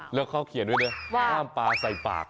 แล้วเขาเขียนด้วยนะว่าห้ามปลาใส่ปาก